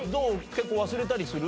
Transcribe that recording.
結構忘れたりする？